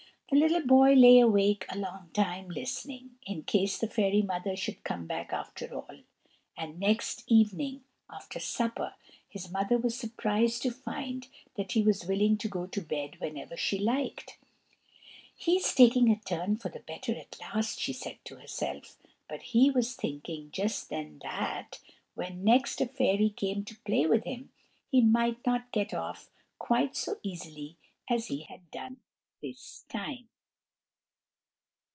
The little boy lay awake a long time, listening, in case the fairy mother should come back after all; and next evening after supper, his mother was surprised to find that he was willing to go to bed whenever she liked. "He's taking a turn for the better at last!" she said to herself; but he was thinking just then that, when next a fairy came to play with him, he might not get off quite so easily as he had done this time.